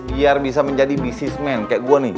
biar bisa menjadi bisnismen kayak gue nih